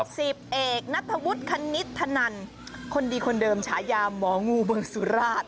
สิบเอกนัทธวุฒิคณิตธนันคนดีคนเดิมฉายาหมองูบึงสุราช